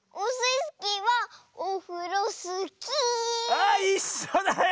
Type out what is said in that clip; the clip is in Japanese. あいっしょだよ！